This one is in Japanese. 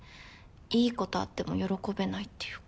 いいことあっても喜べないっていうか。